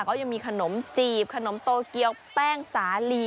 ก็ยังมีขนมจีบขนมโตเกียวแป้งสาลี